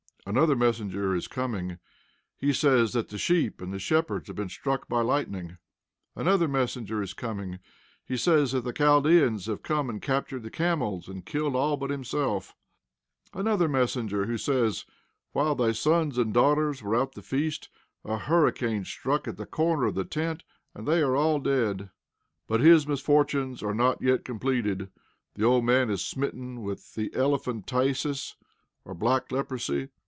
Another messenger is coming. He says that the sheep and the shepherds have been struck by lightning. Another messenger is coming. He says that the Chaldeans have come and captured the camels, and killed all but himself. Another messenger, who says: "While thy sons and daughters were at the feast, a hurricane struck the corner of the tent, and they are all dead!" But his misfortunes are not yet completed. The old man is smitten with the elephantiasis, or black leprosy.